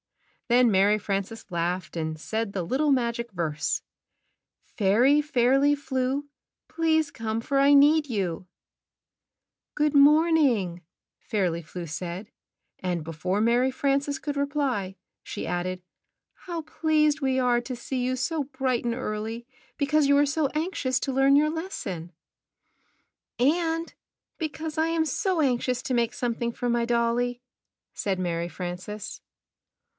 Then Mary Frances laughed and said the little magic verse, ''Fairy Fairly Flew, fr^. Please come, for I need you." Give me 2. c^k^k p""' "Good morning," Fairly Flew said; and before ° Mary Frances could reply, she added, "How pleased we are to see you so bright and early because you are so anxious to learn your lesson." "And because I am so anxious to make something for my dolly," said Mary Frances.